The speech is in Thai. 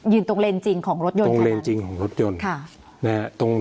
ยืนตรงเลนจริงของรถยนต์ของรถยนต์